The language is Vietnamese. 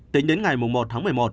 tính đến ngày một tháng một mươi một